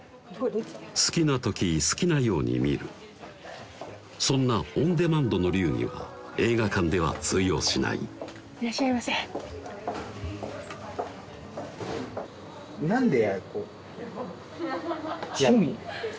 好きな時好きなように見るそんなオンデマンドの流儀は映画館では通用しないいらっしゃいませ何で？